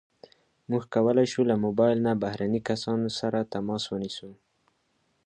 موږ کولی شو له موبایل نه بهرني کسان سره تماس ونیسو.